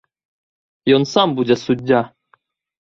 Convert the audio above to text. Ён сам будзе суддзя!